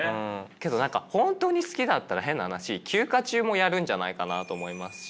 けど何か本当に好きだったら変な話休暇中もやるんじゃないかなと思いますし。